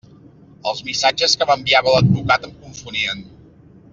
Els missatges que m'enviava l'advocat em confonien.